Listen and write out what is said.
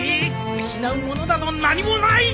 失うものなど何もない！